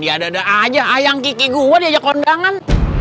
diada ada aja ayang kiki gua diajak kondangan